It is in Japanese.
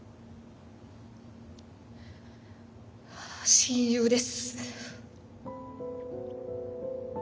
親友です。